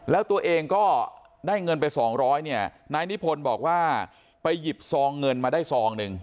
แล้วตัวเองก็ได้เงินไปสองร้อยเนี่ยนายนิพนธ์บอกว่าไปหยิบซองเงินมาได้ซองหนึ่ง